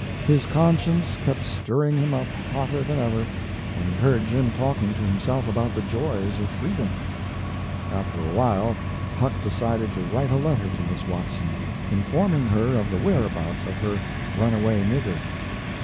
His conscience kept stirring him up hotter than ever when he heard Jim talking to himself about the joys of freedom. After awhile, Huck decided to write a letter to Miss Watson, informing her of the whereabouts of her "runaway nigger."